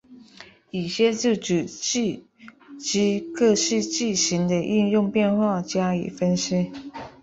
以下就此句之各式句型的应用变化加以分析。